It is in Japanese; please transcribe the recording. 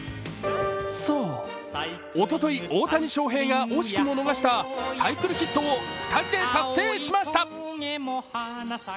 そう、おととい大谷翔平が惜しくものがしたサイクルヒットを２人で達成しました。